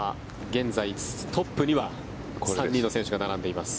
現在トップには３人の選手が並んでいます。